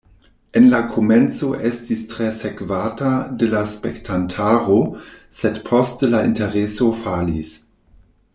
En la komenco estis tre sekvata de la spektantaro, sed poste la intereso falis.